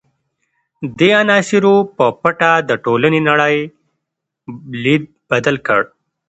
دې عناصرو په پټه د ټولنې نړۍ لید بدل کړ.